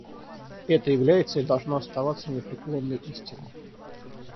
Это является и должно оставаться непреклонной истиной.